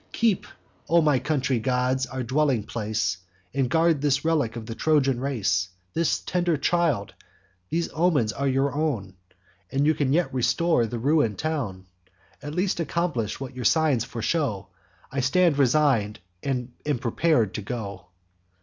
Keep, O my country gods, our dwelling place, And guard this relic of the Trojan race, This tender child! These omens are your own, And you can yet restore the ruin'd town. At least accomplish what your signs foreshow: I stand resign'd, and am prepar'd to go.